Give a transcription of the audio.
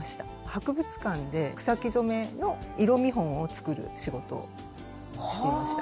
博物館で草木染めの色見本を作る仕事をしていました。